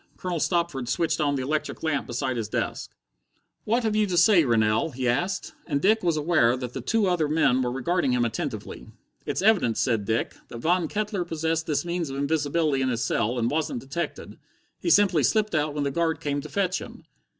Colonel Stopford switched on the electric lamp beside his desk. "What have you to say, Rennell?" he asked; and Dick was aware that the two other men were regarding him attentively. "It's evident," said Dick, "that Von Kettler possessed this means of invisibility in his cell, and wasn't detected. He simply slipped out when the guard came to fetch him."